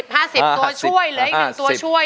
๕๐ตัวช่วยเหลืออีกหนึ่งตัวช่วย